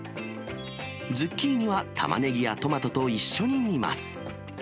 ズッキーニはタマネギやトマトと一緒に煮ます。